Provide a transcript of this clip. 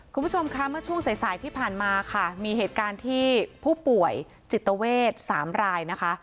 คุณผู้ชมคะเมื่อช่วงสายสายที่ผ่านมาค่ะมีเหตุการณ์ที่ผู้ป่วยจิตเวท๓รายนะคะ